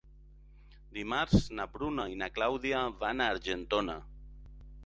Dimarts na Bruna i na Clàudia van a Argentona.